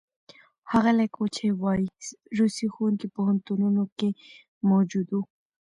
ښاغلي کوچي وايي، روسي ښوونکي پوهنتونونو کې موجود وو.